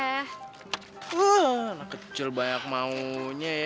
wh anak kecil banyak maunya ya